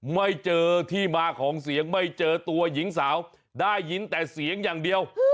ไม่เจอที่มาของเสียงไม่เจอตัวหญิงสาวได้ยินแต่เสียงอย่างเดียว